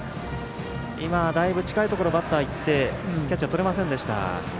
今、だいぶ、近いところバッターいってキャッチャーとれませんでした。